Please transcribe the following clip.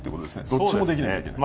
どっちもできないといけない。